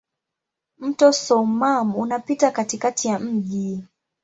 Mto Soummam unapita katikati ya mji.